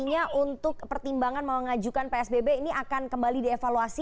artinya untuk pertimbangan mau mengajukan psbb ini akan kembali dievaluasi